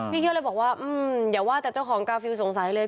เกี่ยวเลยบอกว่าอย่าว่าแต่เจ้าของกาฟิลสงสัยเลย